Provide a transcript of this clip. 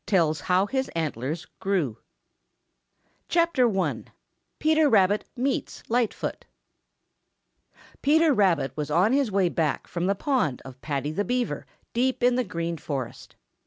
143 LIGHTFOOT THE DEER CHAPTER I PETER RABBIT MEETS LIGHTFOOT Peter Rabbit was on his way back from the pond of Paddy the Beaver deep in the Green Forest.